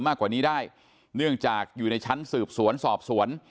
มากกว่านี้ได้เนื่องจากอยู่ในชั้นสืบสวนสอบสวน